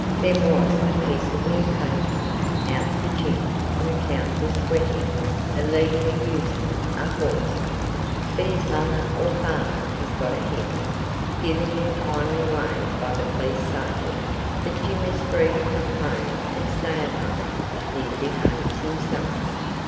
There was "a piece of blue paper" out for Jim on account of sweating (illegally using) a horse, but his mother or father has got a hint—given in a kindly way by the police sergeant—that Jim is free to come home and stay at home if he behaves himself.